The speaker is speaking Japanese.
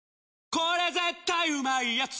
これ絶対うまいやつ」